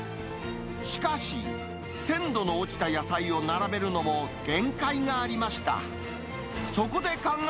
しかし鮮度の落ちた野菜を並べるのも限界がありました。